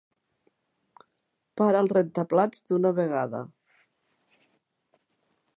Para el rentaplats d'una vegada!